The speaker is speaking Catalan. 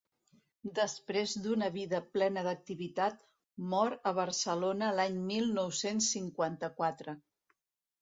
Després d'una vida plena d'activitat, mor a Barcelona l'any mil nou-cents cinquanta-quatre.